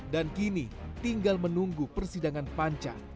dan kini tinggal menunggu persidangan panca